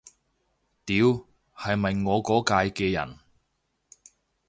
屌，係咪我嗰屆嘅人